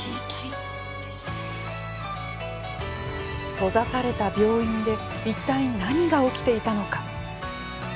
閉ざされた病院でいったい何が起きていたのか。